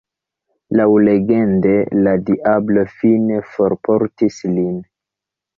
Laŭlegende la diablo fine forportis lin.